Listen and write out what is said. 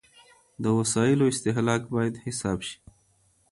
د وسايلو استهلاک بايد حساب سي.